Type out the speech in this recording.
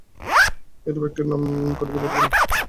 এরূপ একটির নাম তুমি করিতে পারিবে না।